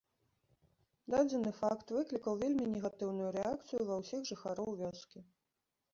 Дадзены факт выклікаў вельмі негатыўную рэакцыю ва ўсіх жыхароў вёскі.